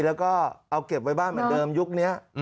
แล้วก็เอาเก็บไว้บ้านเหมือนเดิมยุคนี้